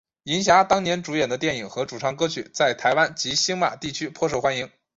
银霞当年主演的电影和主唱歌曲在台湾及星马地区颇受欢迎。